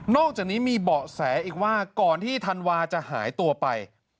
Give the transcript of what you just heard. อกจากนี้มีเบาะแสอีกว่าก่อนที่ธันวาจะหายตัวไป